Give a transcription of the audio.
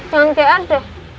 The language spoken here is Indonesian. jangan kear deh